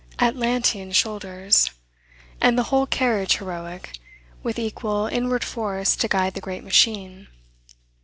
Atlantean shoulders, and the whole carriage heroic, with equal inward force to guide the great machine!